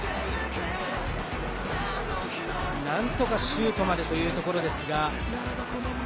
なんとか、シュートまでというところです。